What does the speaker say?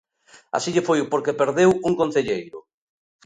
Así lle foi porque perdeu un concelleiro.